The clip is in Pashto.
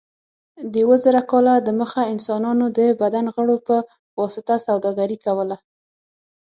د اوه زره کاله دمخه انسانانو د بدن غړو په واسطه سوداګري کوله.